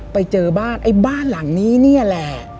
ไปเจอบ้านไอ้บ้านหลังนี้นี่แหละ